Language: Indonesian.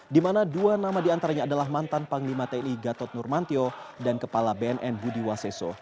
di mana dua nama diantaranya adalah mantan panglima tni gatot nurmantio dan kepala bnn budi waseso